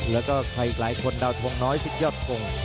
แล้วก็ใครอีกหลายคนดาวทงน้อยสุดยอดกง